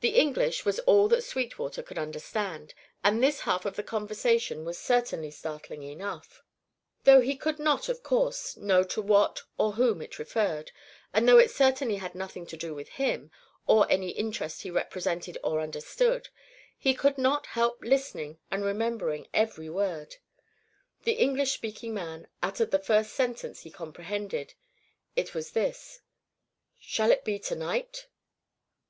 The English was all that Sweetwater could understand, and this half of the conversation was certainly startling enough. Though he could not, of coarse, know to what or whom it referred, and though it certainly had nothing to do with him, or any interest he represented or understood, he could not help listening and remembering every word. The English speaking man uttered the first sentence he comprehended. It was this: "Shall it be to night?"